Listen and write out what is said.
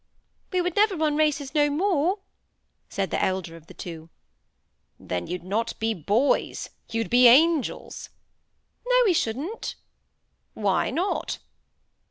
"We would never run races no more," said the elder of the two. "Then you'd not be boys; you'd be angels." "No, we shouldn't." "Why not?"